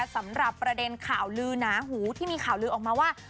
สำหรับประเด็นข่าวลือหนาหูที่มีข่าวลือออกมาว่า